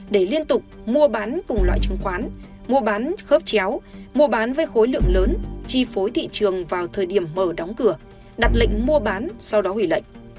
để liên tục mua bán cùng loại chứng khoán mua bán khớp chéo mua bán với khối lượng lớn chi phối thị trường vào thời điểm mở đóng cửa đặt lệnh mua bán sau đó hủy lệnh